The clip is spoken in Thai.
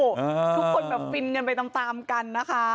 ทุกคนแบบฟินกันไปตามกันนะคะ